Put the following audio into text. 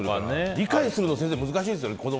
理解するの難しいですよね。